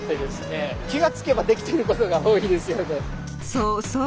そうそう。